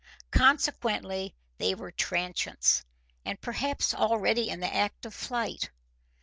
Consequently they were transients and perhaps already in the act of flight.